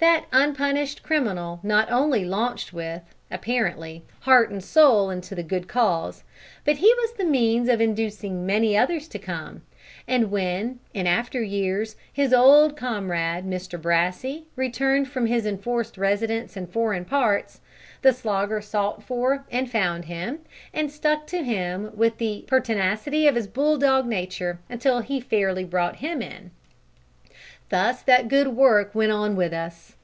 That unpunished criminal not only launched with, apparently, heart and soul into the good cause, but he was the means of inducing many others to come, and when, in after years, his old comrade, Mr Brassey, returned from his enforced residence in foreign parts, the Slogger sought for and found him, and stuck to him with the pertinacity of his bulldog nature until he fairly brought him in. Thus that good work went on with us.